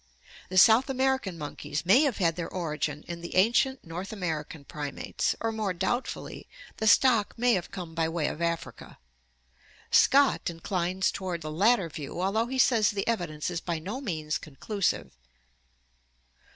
The South American monkeys may have had their origin in the ancient North American primates, or more doubt fully, the stock may have come by way of Africa. Scott inclines toward the latter view although he says the evidence is by no means conclusive.